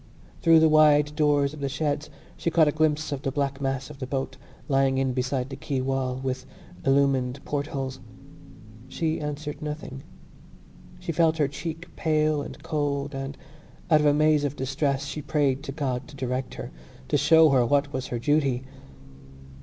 Through the wide doors of the sheds she caught a glimpse of the black mass of the boat, lying in beside the quay wall, with illumined portholes. She answered nothing. She felt her cheek pale and cold and, out of a maze of distress, she prayed to God to direct her, to show her what was her duty.